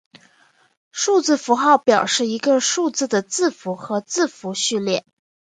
数字符号表示一个数字的字符和字符序列。